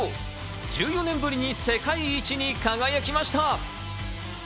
１４年ぶりに世界一に輝きました！